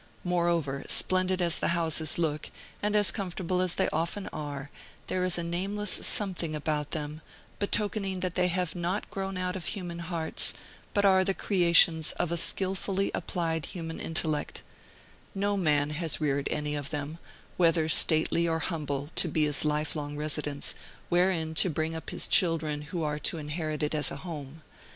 Moreover, splendid as the houses look, and comfortable as they often are, there is a nameless something about them, betokening that they have not grown out of human hearts, but are the creations of a skilfully applied human intellect: no man has reared any one of them, whether stately or humble, to be his lifelong residence, wherein to bring up his children, who are to inherit it as a home.